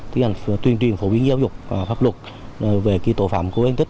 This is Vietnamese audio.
tiến hành tuyên truyền phổ biến giáo dục và pháp luật về tội phạm của yên tích